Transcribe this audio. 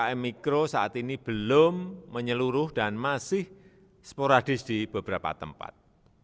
ppkm mikro saat ini belum menyeluruh dan masih sporadis di beberapa tempat